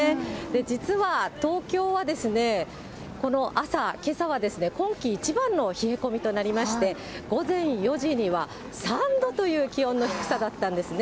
実は東京はこの朝、けさは今季一番の冷え込みとなりまして、午前４時には３度という気温の低さだったんですね。